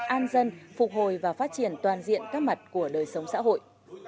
an dân phục hồi và phát triển toàn diện các mặt của đời sống xã hội